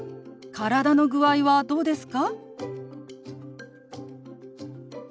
体の具合はどうですか？